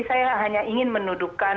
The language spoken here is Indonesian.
saya hanya ingin menurutkan